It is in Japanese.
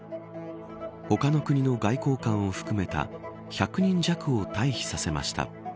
他の国の外交官を含めた１００人弱を退避させました。